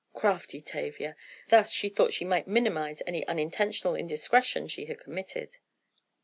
Crafty Tavia! Thus, she thought she might minimize any unintentional indiscretion she had committed.